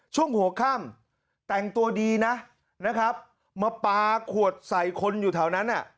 ช่วงหัวค่ำแต่งตัวดีนะนะครับมาปลาขวดใส่คนอยู่แถวนั้นอ่ะ